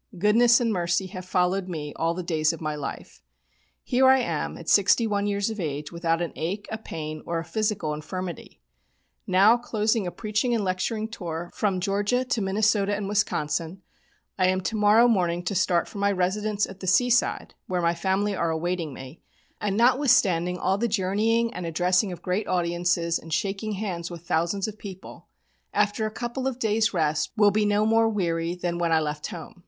'Goodness and mercy have followed me all the days of my life.' Here I am at 61 years of age without an ache, a pain, or a physical infirmity. Now closing a preaching and lecturing tour from Georgia to Minnesota and Wisconsin, I am to morrow morning to start for my residence at the seaside where my family are awaiting me, and notwithstanding all the journeying and addressing of great audiences, and shaking hands with thousands of people, after a couple of days' rest will be no more weary than when I left home.